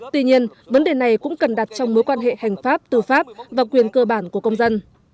tuy nhiên vấn đề này cũng cần đặt trong mối quan hệ hành pháp tư pháp và quyền cơ bản của công dân